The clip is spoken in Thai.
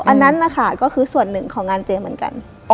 อันนั้นนะคะก็คือส่วนหนึ่งของงานเจเหมือนกัน